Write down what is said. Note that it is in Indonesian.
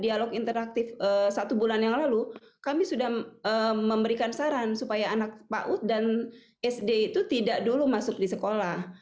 dialog interaktif satu bulan yang lalu kami sudah memberikan saran supaya anak paut dan sd itu tidak dulu masuk di sekolah